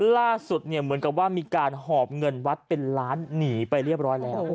ล่าสุดเนี่ยเหมือนกับว่ามีการหอบเงินวัดเป็นล้านหนีไปเรียบร้อยแล้ว